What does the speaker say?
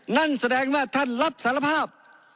นั่นแสดงว่าท่านรับสารภาพ